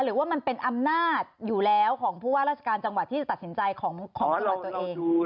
หรือว่ามันเป็นอำนาจอยู่แล้วของผู้ว่าราชการจังหวัดที่จะตัดสินใจของตัวตัวเอง